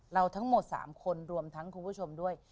ทั้งหมด๓คนรวมทั้งคุณผู้ชมด้วย